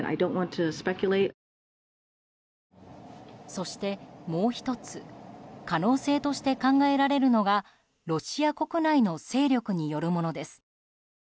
そして、もう１つ可能性として考えられるのがロシア国内の勢力によるものです。